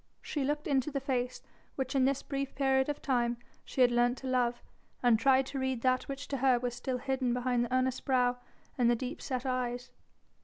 She looked into the face which in this brief period of time she had learnt to love, and tried to read that which to her was still hidden behind the earnest brow and the deep set eyes.